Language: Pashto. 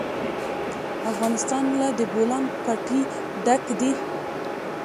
افغانستان له د بولان پټي ډک دی.